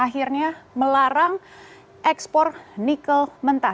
akhirnya melarang ekspor nikel mentah